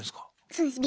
そうです。